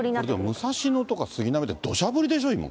武蔵野とか杉並とかってこれ、どしゃ降りでしょう。